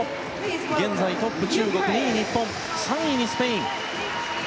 現在トップ、中国２位、日本３位にスペイン。